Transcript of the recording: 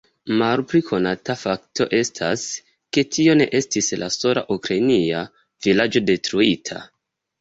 Malpli konata fakto estas, ke tio ne estis la sola ukrainia vilaĝo detruita.